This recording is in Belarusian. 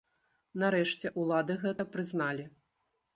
Нарэшце, улады гэта прызналі.